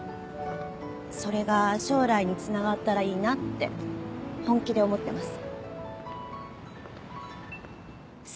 それが将来につながったらいいなって本気で思ってます。